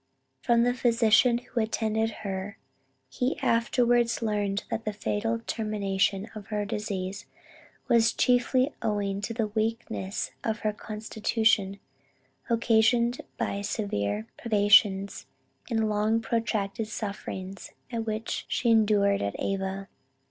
From the physician who attended her he afterwards learned that the fatal termination of her disease, was chiefly owing to the weakness of her constitution occasioned by the severe privations, and long protracted sufferings which she endured at Ava.